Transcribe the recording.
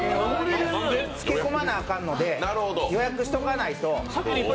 漬け込まなアカンので予約しておかないと。